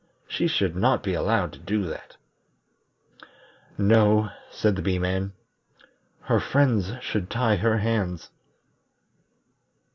She should not be allowed to do that." "No," said the Bee man. "Her friends should tie her hands."